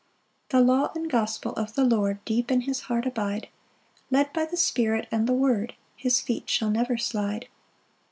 5 The law and gospel of the Lord Deep in his heart abide; Led by the Spirit and the word, His feet shall never slide.